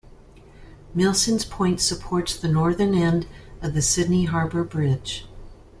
Milsons Point supports the northern end of the Sydney Harbour Bridge.